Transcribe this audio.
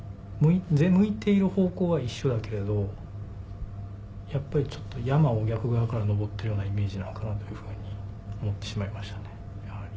向いている方向は一緒だけれどやっぱりちょっと山を逆側から登ってるようなイメージなのかなというふうに思ってしまいましたね。